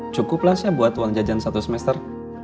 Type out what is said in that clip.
cukuplah saya buat uang jajan satu semester